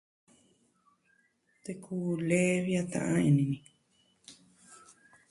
Teku lee vi a ta'an ini ni.